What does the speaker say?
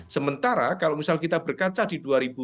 sementara kalau misalnya kita berkaca di dua ribu sembilan belas